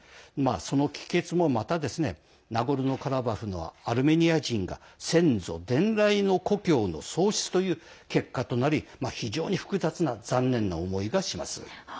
その帰結もまたナゴルノカラバフのアルメニア人が先祖伝来の故郷の喪失という結果となり非常に残念な思いがします。